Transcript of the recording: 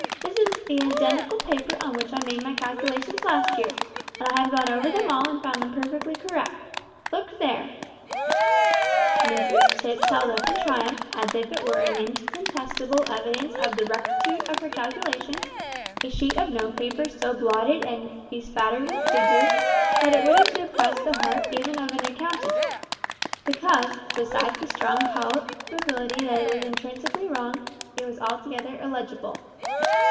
This is the identical paper on which I made my calculations last year, and I have gone over them all and found them perfectly correct. Look there." Mrs Tipps held up in triumph, as if it were an incontestable evidence of the rectitude of her calculations, a sheet of note paper so blotted and bespattered with figures, that it would have depressed the heart even of an accountant, because, besides the strong probability that it was intrinsically wrong, it was altogether illegible.